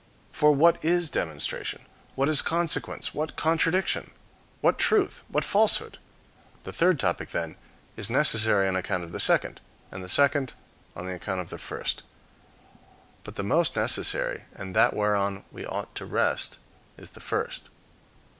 For what is demonstration? What is consequence? What contradiction? What truth? What falsehood? The third topic, then, is necessary on the account of the second, and the second on the account of the first. But the most necessary, and that whereon we ought to rest, is the first.